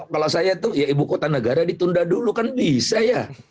kalau saya tuh ya ibu kota negara ditunda dulu kan bisa ya